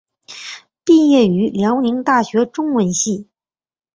毕业于辽宁大学中文系。